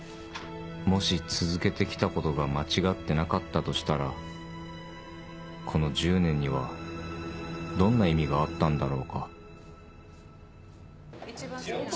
もし続けて来たことが間違ってなかったとしたらこの１０年にはどんな意味があったんだろうか一番好きなのどれ？